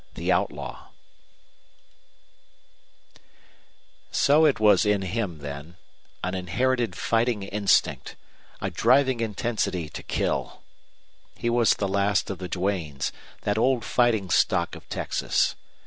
THE OUTLAW CHAPTER I So it was in him, then an inherited fighting instinct, a driving intensity to kill. He was the last of the Duanes, that old fighting stock of Texas.